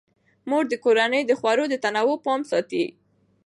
مور د کورنۍ د خوړو د تنوع پام ساتي.